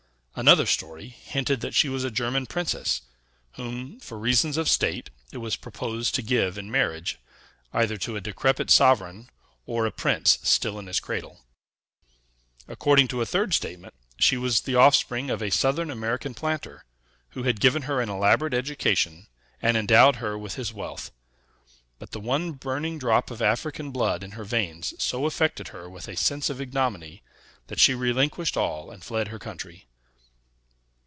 Another story hinted that she was a German princess, whom, for reasons of state, it was proposed to give in marriage either to a decrepit sovereign, or a prince still in his cradle. According to a third statement, she was the off spring of a Southern American planter, who had given her an elaborate education and endowed her with his wealth; but the one burning drop of African blood in her veins so affected her with a sense of ignominy, that she relinquished all and fled her country.